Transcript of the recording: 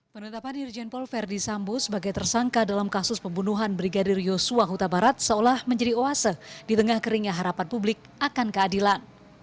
penetapan irjen pol verdi sambo sebagai tersangka dalam kasus pembunuhan brigadir yosua huta barat seolah menjadi oase di tengah keringnya harapan publik akan keadilan